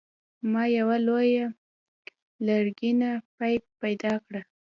ما یوه لویه لرګینه پیپ پیدا کړه.